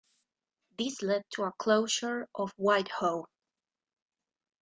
This led to a closure of Whitehall.